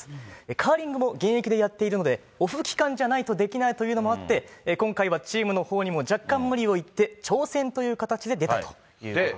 カーリングも現役でやっているので、オフ期間じゃないとできないというのもあって、今回はチームのほうにも若干無理を言って、挑戦っていう形で出たということです。